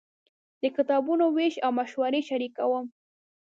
د کتابونو وېش او مشورې شریکوم.